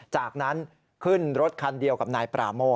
จากนั้นขึ้นรถคันเดียวกับนายปราโม